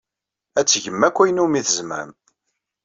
Ad tgem akk ayen umi tzemrem.